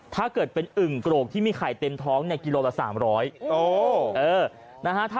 ถ้าเกิดเป็นอึ่งโกรกที่มีไข่เต็มท้องกิโลละ๓๐๐